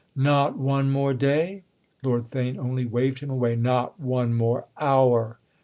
"Not one more day?" Lord Theign only waved him away. "Not one more hour!"